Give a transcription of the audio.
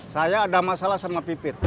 saya ada masalah sama pipit